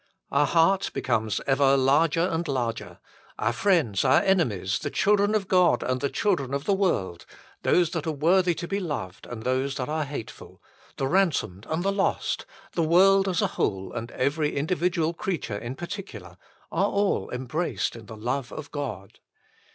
2 Our heart becomes ever larger and larger ; our friends, our enemies, the children of God and the children of the world, those that are worthy to be loved and those that are hateful, the ransomed and the lost, the world as a whole and every individual creature in particular are all embraced in the love of God.